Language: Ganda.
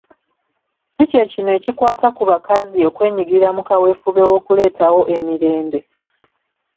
Si kye kino ekikwata ku bakazi okwenyigira mu kaweefube w’okuleetawo emirembe?